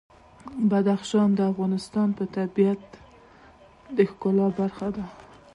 بدخشان د افغانستان د طبیعت د ښکلا برخه ده.